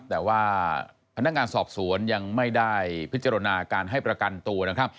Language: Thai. แต่ว่าพนักงานสอบสวนยังไม่ได้พิจารณาการให้ประกันตัวนะครับ